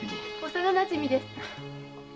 幼なじみです。